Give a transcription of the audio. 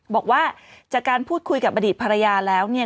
บอกว่าจากการพูดคุยกับอดีตภรรยาแล้วเนี่ย